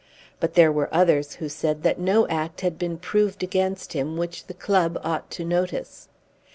But there were others who said that no act had been proved against him which the club ought to notice.